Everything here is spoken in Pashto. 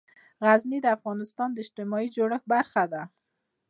غزني د افغانستان د اجتماعي جوړښت برخه ده.